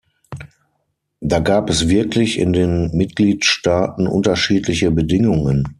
Da gab es wirklich in den Mitgliedstaaten unterschiedliche Bedingungen.